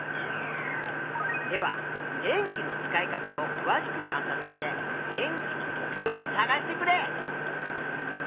では電気の使い方をくわしく観察して電気の特ちょうをさがしてくれ！